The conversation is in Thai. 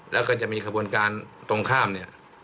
แล้วก็จะมีขบวนการตรงข้ามเนี่ย